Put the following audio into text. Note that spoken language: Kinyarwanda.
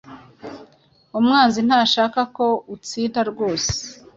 Umwanzi ntashaka ko utsinda rwose